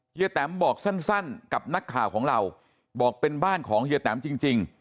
แตมบอกสั้นกับนักข่าวของเราบอกเป็นบ้านของเฮียแตมจริง